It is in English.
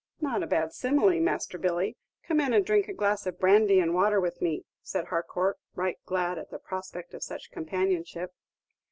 "Not a bad simile, Master Billy; come in and drink a glass of brandy and water with me," said Harcourt, right glad at the prospect of such companionship.